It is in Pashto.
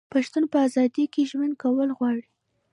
پښتون په ازادۍ کې ژوند کول غواړي.